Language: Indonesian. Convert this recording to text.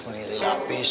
menirilah pisan sini tuh